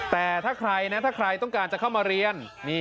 แต่ถ้าใครนะถ้าใครต้องการจะเข้ามาเรียน